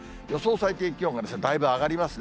最低気温がですね、だいぶ上がりますね。